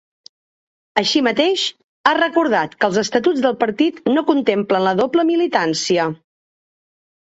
Així mateix, ha recordat que els estatuts del partit no contemplen la doble militància.